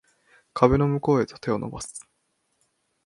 壁の向こうへと手を伸ばす